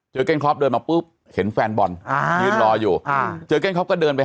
เจอแก้นคอลปเดินมาปุ๊บเห็นแฟนบอลอ่ายืนรออยู่อ่าเจอแก้นคอลปก็เดินไป